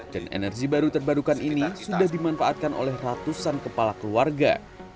dan energi baru terbarukan ini sudah dimanfaatkan oleh ratusan kepala keluarga